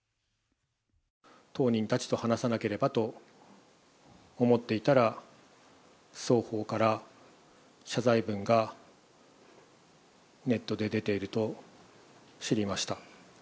当人たちと話さなければと思っていたら、双方から謝罪文がネットで出ていると知りました。